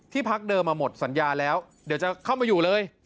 พักเดิมมาหมดสัญญาแล้วเดี๋ยวจะเข้ามาอยู่เลย